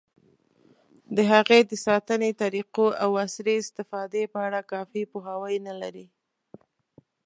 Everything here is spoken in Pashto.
د هغې د ساتنې طریقو، او عصري استفادې په اړه کافي پوهاوی نه لري.